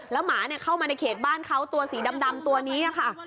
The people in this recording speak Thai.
หมาเข้ามาในเขตบ้านเขาตัวสีดำตัวนี้ค่ะ